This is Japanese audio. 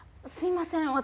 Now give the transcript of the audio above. すいません。